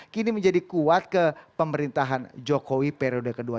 kini menjadi kuat ke pemerintahan jokowi periode kedua